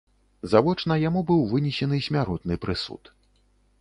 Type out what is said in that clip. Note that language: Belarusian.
Завочна яму быў вынесены смяротны прысуд.